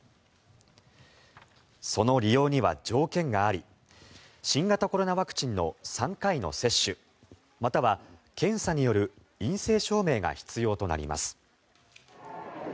その利用には条件があり新型コロナワクチンの３回の接種または検査による陰性証明が必要となります。